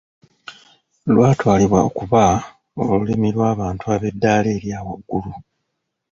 Lwatwalibwa okuba olulimi lw’abantu eb’eddaala erya waggulu.